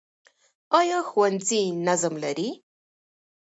ایا ښوونځي نظم لري؟